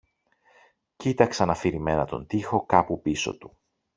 κοίταξαν αφηρημένα τον τοίχο κάπου πίσω του